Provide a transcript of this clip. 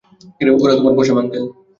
ওরা তোমার পসাম আংকেল।